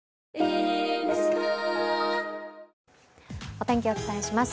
お天気、お伝えします。